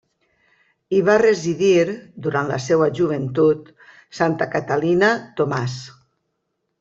Hi va residir, durant la seva joventut, santa Catalina Tomàs.